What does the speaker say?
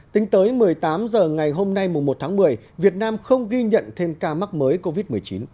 tính tới một mươi tám h ngày hôm nay một tháng một mươi việt nam không ghi nhận thêm ca mắc mới covid một mươi chín